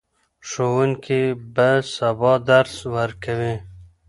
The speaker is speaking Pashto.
ښوونکي به سبا درس ورکوي.